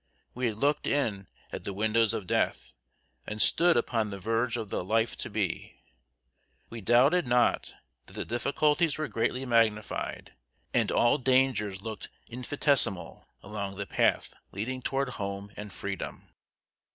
We had looked in at the windows of Death, and stood upon the verge of the Life To Be. We doubted not that the difficulties were greatly magnified, and all dangers looked infinitesimal, along the path leading toward home and freedom.